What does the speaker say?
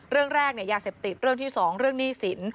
เรื่องแรกยาเสพติดเรื่องที่๒เรื่องหนี้สิน